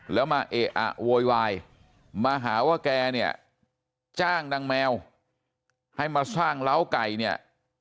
แล้วมาเอะอะโวยวายมาหาว่าแกเนี่ยจ้างนางแมวให้มาสร้างเล้าไก่เนี่ย